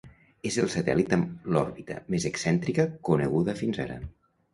És el satèl·lit amb l'òrbita més excèntrica coneguda fins ara.